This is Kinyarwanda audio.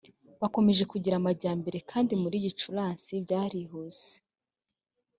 bakomeje kugira amajyambere kandi muri gicurasi byarihuse